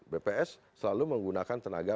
bps selalu menggunakan tenaga